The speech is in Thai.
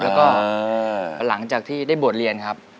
แล้วก็หลังจากที่ได้บวชเรียนครับ